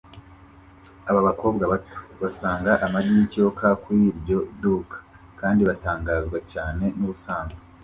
Aba bakobwa bato basanga amagi yikiyoka kuri iryo duka kandi batangazwa cyane nubusanzwe